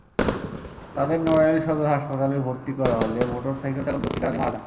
তাঁদের নড়াইল সদর হাসপাতালে ভর্তি করা হলে মোটরসাইকেলচালক জুলফিকার আলী মারা যান।